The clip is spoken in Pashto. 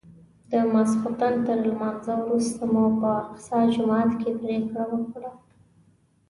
د ماسختن تر لمانځه وروسته مو په اقصی جومات کې پرېکړه وکړه.